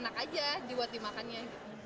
enak aja diwet dimakannya